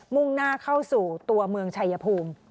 มุ่งหน้าเข้าสู่ตัวเมืองชายภูมิ